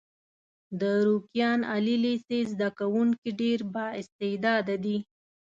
د روکيان عالي لیسې زده کوونکي ډېر با استعداده دي.